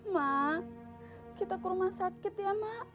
mak kita ke rumah sakit ya mak